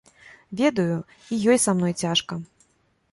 Ведаю, і ёй са мной цяжка.